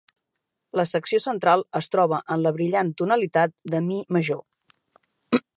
La secció central es troba en la brillant tonalitat de mi major.